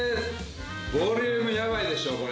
ボリュームヤバいでしょこれ。